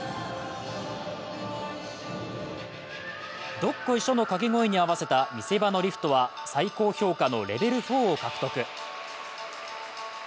「どっこいしょ」の掛け声に合わせた見せ場のリフトは最高評価のレベル４を獲得。